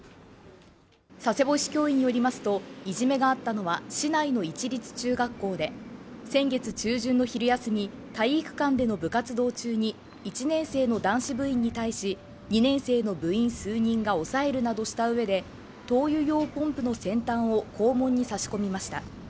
佐世保市教委によりますといじめがあったのは市内の市立中学校で、先月中旬の昼休み、体育館での部活動中に１年生の男子部員に対し、２年生の部員数人が押さえるなどとしたうえで灯油用ポンプの先端を肛門に差し込みました。